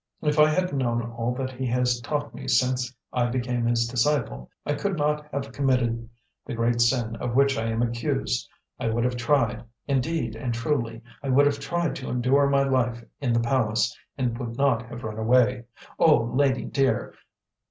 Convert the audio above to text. If I had known all that he has taught me since I became his disciple, I could not have committed the great sin of which I am accused. I would have tried, indeed and truly, I would have tried to endure my life in the palace, and would not have run away. O lady dear!